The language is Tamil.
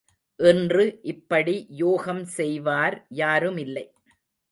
இன்று இப்படி யோகம் செய்வார் யாருமில்லை.